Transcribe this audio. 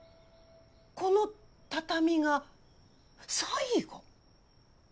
この畳が最後！？